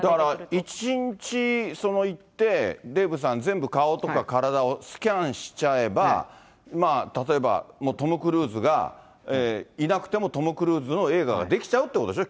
だから１日行って、デーブさん、全部顔とか体をスキャンしちゃえば、まあ、例えば、トム・クルーズがいなくてもトム・クルーズの映画ができちゃうってことでしょ？